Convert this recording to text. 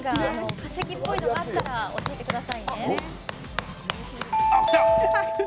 化石っぽいものがあったら教えてくださいね。